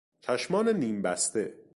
چشمان نیمبسته